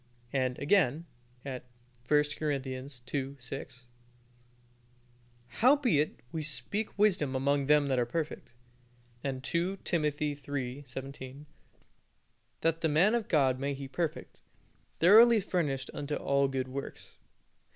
And, again, at 1 Cor. ii. 6 "Howbeit, we speak wisdom among them that are perfect." And (2 Timothy iii. 17) "That the man of God may he perfect, thoroughly furnished unto all good works."